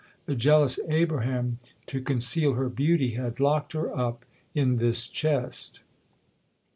The jealous Abraham, to conceal her beauty, had locked her up in this chest.